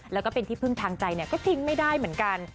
แล้วก็เป็นที่พึ่งทางใจก็ทิ้งไม่ได้เหมือนกัน